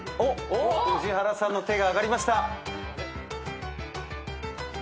宇治原さんの手があがりました。